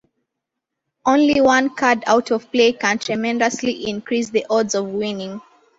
Only one card out of play can tremendously increase the odds of winning.